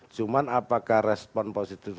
cuman apakah respon positif